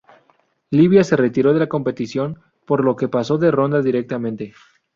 Libia se retiró de la competición, por lo que pasó de ronda directamente.